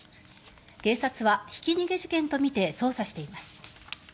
警察はひき逃げ事件とみて捜査しています。